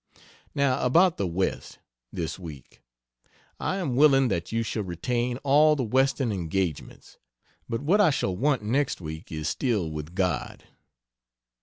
Now about the West, this week, I am willing that you shall retain all the Western engagements. But what I shall want next week is still with God.